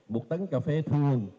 một tấn cà phê thường